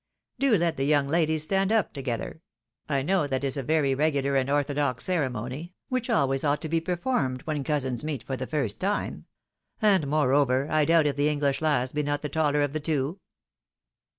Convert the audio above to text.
Do let the yoimg ladies stand up together — ^I know that is a very regular and orthodox ceremony, which always ought to be performed when cousins meet for the first time ; and, moreover, I doubt if the English lass be not the taller of the two."